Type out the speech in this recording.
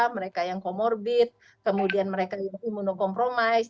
mereka yang comorbid kemudian mereka yang imunokompromis